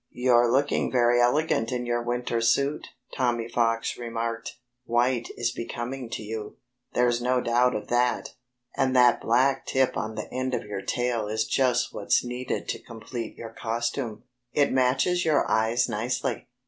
"You're looking very elegant in your winter suit," Tommy Fox remarked. "White is becoming to you there's no doubt of that. And that black tip on the end of your tail is just what's needed to complete your costume. It matches your eyes nicely....